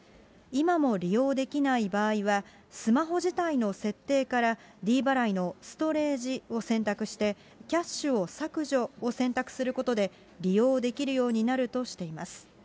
今も利用できない場合は、スマホ自体の設定からｄ払いのストレージを選択して、キャッシュを削除を選択することで利用できるようになるとしています。